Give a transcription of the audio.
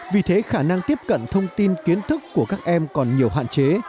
vì thế khả năng tiếp cận thông tin kiến thức của các em còn nhiều hạn chế